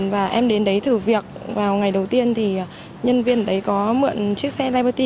và em đến đấy thử việc vào ngày đầu tiên thì nhân viên đấy có mượn chiếc xe liverty